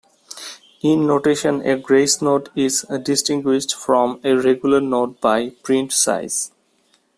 In notation a grace note is distinguished from a regular note by print size.